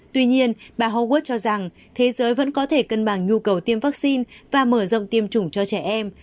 tuy nhiên bà hugud cho rằng thế giới vẫn có thể cân bằng nhu cầu tiêm vaccine và mở rộng tiêm chủng cho trẻ em